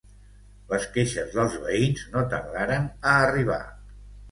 Les queixes dels veïns no tardaren a arribar.